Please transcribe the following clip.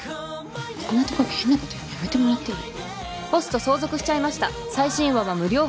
こんなとこで変なこと言うのやめてもらっていい？